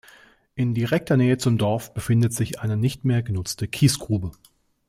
In direkter Nähe zum Dorf befindet sich eine nicht mehr genutzte Kiesgrube.